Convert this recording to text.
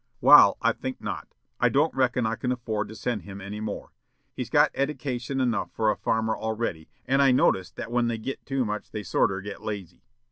"'Wal, I think not. I don't reckon I can afford to send him any more. He's got eddication enough for a farmer already, and I notice that when they git too much they sorter git lazy.